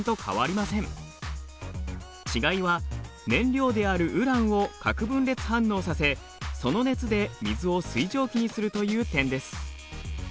違いは燃料であるウランを核分裂反応させその熱で水を水蒸気にするという点です。